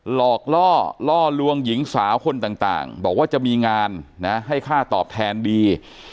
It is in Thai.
หลอกล่อล่อลวงหญิงสาวคนต่างบอกว่าจะมีงานนะให้ค่าตอบแทนดี